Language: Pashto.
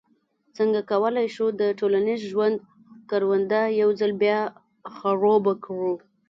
څنګه کولای شو د ټولنیز ژوند کرونده یو ځل بیا خړوبه کړو.